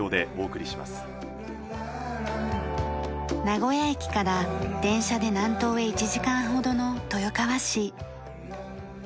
名古屋駅から電車で南東へ１時間ほどの豊川市。